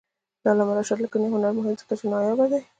د علامه رشاد لیکنی هنر مهم دی ځکه چې نایابه دی.